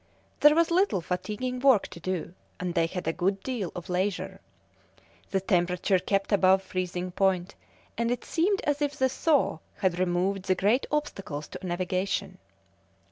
There was little fatiguing work to do, and they had a good deal of leisure. The temperature kept above freezing point, and it seemed as if the thaw had removed the great obstacles to navigation.